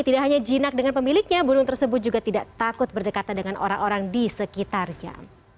tidak hanya jinak dengan pemiliknya burung tersebut juga tidak takut berdekatan dengan orang orang di sekitarnya